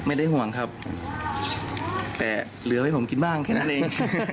ไม่ได้ห่วงครับแต่เหลือให้ผมกินบ้างแค่นั้นเอง